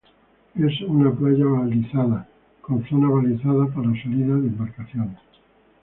Es una playa balizada con zona balizada para salida de embarcaciones..